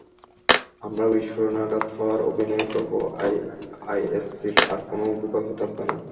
আমরা বিস্ফোরণে আঘাত পাওয়ার অভিনয় করবো, আইএসসির আর কোন বিকল্প থাকবে না।